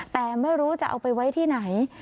แต่ไม่รู้จะเอาไปไว้ที่ไหน